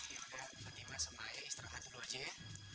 yaudah fatimah sama ae istirahat dulu aja ya